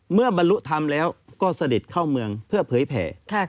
เมื่อบรรลุทำแล้วก็เสด็จเข้าเมืองเพื่อเผยแผ่